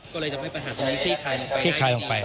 ก็เลยจะเป็นปัญหาตรงนี้ที่คลายลงไป